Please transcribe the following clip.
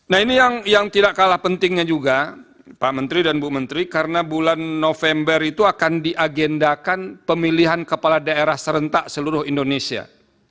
nah ini yang tidak kalah pentingnya juga pak menteri dan bu menteri karena bulan november itu akan diagendakan pemilihan kepala daerah serentak seluruh indonesia